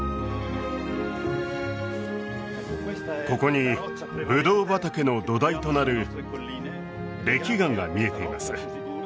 ここにブドウ畑の土台となる礫岩が見えています